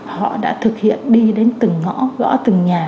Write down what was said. họ đã thực hiện đi đến từng ngõ gõ từng nhà